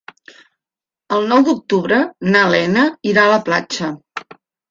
El nou d'octubre na Lena irà a la platja.